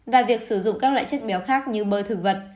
và việc sử dụng các loại chất béo khác như mơ thực vật